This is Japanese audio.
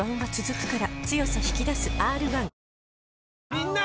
みんな！